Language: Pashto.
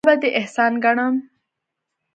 دا به دې احسان ګڼم.